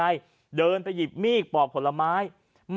ชาวบ้านญาติโปรดแค้นไปดูภาพบรรยากาศขณะ